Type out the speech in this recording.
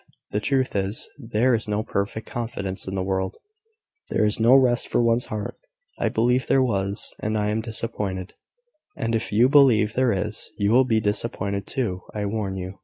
The truth is, there is no perfect confidence in the world: there is no rest for one's heart. I believed there was, and I am disappointed: and if you believe there is, you will be disappointed too, I warn you."